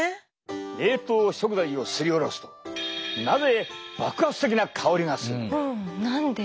冷凍食材をすりおろすとなぜ爆発的な香りがするのか。